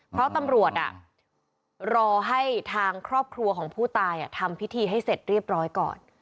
เพราะตำรวจรอให้ทางครอบครัวของผู้ตายทำพิธีให้เสร็จเรียบร้อยก่อน